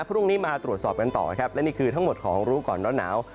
พรุ่งนี้มาตรวจสอบกันต่อครับและนี่คือทั้งหมดของรู้ก่อนร้อนหนาว